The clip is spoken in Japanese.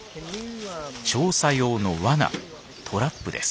調査用のわなトラップです。